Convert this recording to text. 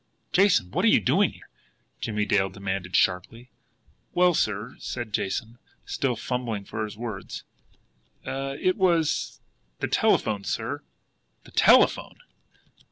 "Jason, what are you doing here?" Jimmie Dale demanded sharply. "Well, sir," said Jason, still fumbling for his words, "it it was the telephone, sir." "The TELEPHONE!"